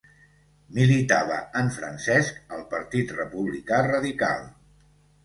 Militava en Francesc al Partit Republicà Radical.